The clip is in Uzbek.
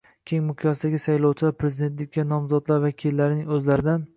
keng miqyosdagi saylovchilar prezidentlikka nomzodlar vakillarining o‘zlaridan